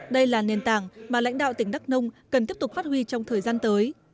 đây là nền tảng mà lãnh đạo tỉnh đắk nông cần tiếp tục phát huy trong thời gian tới